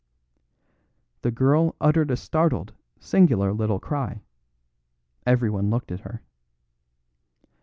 The girl uttered a startled, singular little cry; everyone looked at her.